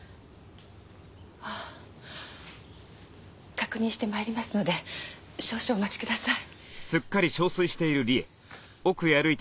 確認して参りますので少々お待ちください。